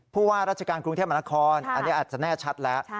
ผู้ว่าราชการกรุงเทพมหานครอันนี้อาจจะแน่ชัดแล้ว